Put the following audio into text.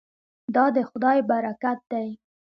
دا د خدای برکت دی.